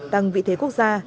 tăng vị thế quốc gia